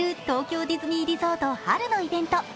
東京ディズニーリゾート春のイベント